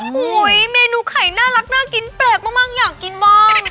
เมนูไข่น่ารักน่ากินแปลกมากอยากกินบ้าง